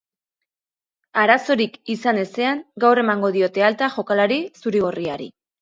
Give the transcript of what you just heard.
Arazorik izan ezean, gaur emango diote alta jokalariari zuri-gorriari.